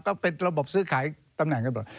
ก็เป็นระบบซื้อขายตำแหน่งตำรวจ